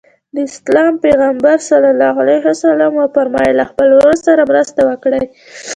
د اسلام پیغمبر ص وفرمایل له خپل ورور سره مرسته وکړئ.